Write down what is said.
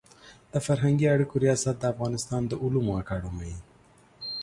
د فرهنګي اړیکو ریاست د افغانستان د علومو اکاډمي